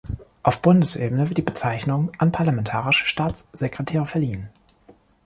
Auf Bundesebene wird die Bezeichnung an parlamentarische Staatssekretäre verliehen.